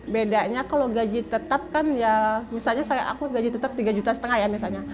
bedanya kalau gaji tetap kan ya misalnya kayak aku gaji tetap tiga juta setengah ya misalnya